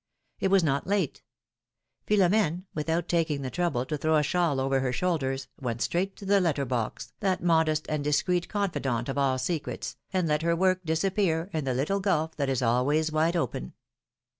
It was not late. Philom^ne, without taking the trouble to throw a shawl over her shoulders, went straight to the letter box, that modest and discreet confidant of all secrets, and let her work disappear in the little gulf that is always wide open.